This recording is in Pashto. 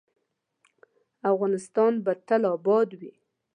افغانستان به تل اباد وي